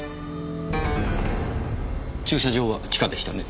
駐車場は地下でしたね？